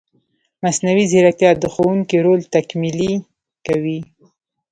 مصنوعي ځیرکتیا د ښوونکي رول تکمیلي کوي.